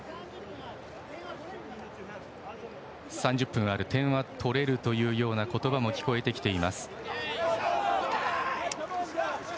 ３０分ある、点は取れるというような言葉も聞こえてきています。